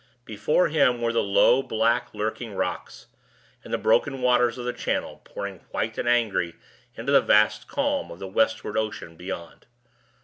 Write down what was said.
Before him were the low, black, lurking rocks, and the broken waters of the channel, pouring white and angry into the vast calm of the westward ocean beyond.